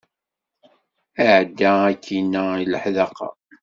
Iɛedda akkinna i leḥdaqa.